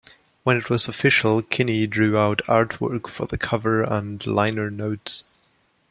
When it was official, Kinney drew out artwork for the cover and liner notes.